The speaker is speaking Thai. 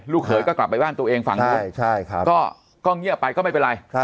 เขยก็กลับไปบ้านตัวเองฝั่งนู้นก็เงียบไปก็ไม่เป็นไร